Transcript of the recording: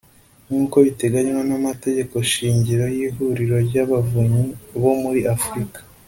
Nk uko biteganywa n Amategeko Shingiro y Ihuriro ry Abavunyi bo muri Afurika